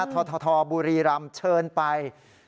ททบุรีรำเชิญไป